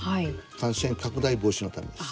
感染拡大防止のためです。